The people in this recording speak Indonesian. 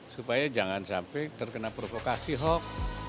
supaya jangan sampai terkena provokasi hoax